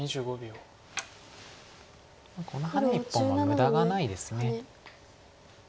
このハネ１本は無駄がないです。